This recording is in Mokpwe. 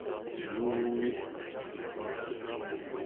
Íhwǃúúhwí.